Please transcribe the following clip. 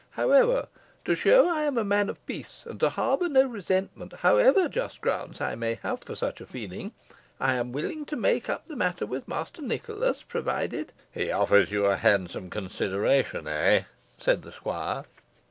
"However, to show I am a man of peace, and harbour no resentment, however just grounds I may have for such a feeling, I am willing to make up the matter with Master Nicholas, provided " "He offers you a handsome consideration, eh?" said the squire.